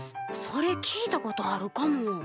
それ聞いたことあるかも。